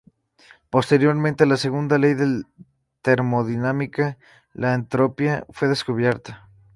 Posteriormente, la segunda ley de la termodinámica, la entropía, fue descubierta.